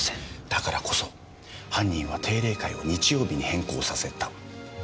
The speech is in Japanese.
だからこそ犯人は定例会を日曜日に変更させた。